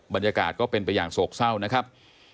บรรยากาศก็เป็นไปอย่างโศกเศร้านะครับ